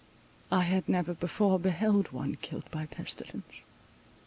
I had never before beheld one killed by pestilence.